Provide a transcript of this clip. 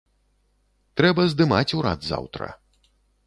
Трэба здымаць урад заўтра.